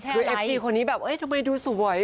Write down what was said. คุณเอฟซีเองแบบทำไมดูสวย